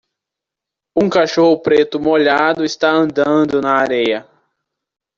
Um cachorro preto molhado está andando na areia.